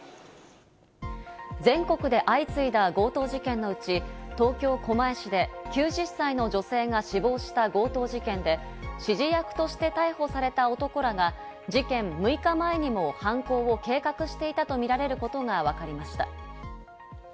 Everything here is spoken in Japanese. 全国で相次いだ強盗事件のうち、東京・狛江市で９０歳の女性が死亡した強盗事件で、指示役として逮捕された男らが事件６日前にも犯行を計画していたとみられることがわかりました。